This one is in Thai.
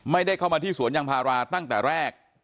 ไม่ได้เข้ามาที่สวนยางพาราตั้งแต่แรก